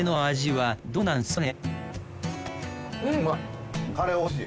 はい。